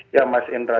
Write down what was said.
ya mas indra